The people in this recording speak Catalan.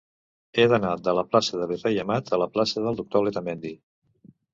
He d'anar de la plaça del Virrei Amat a la plaça del Doctor Letamendi.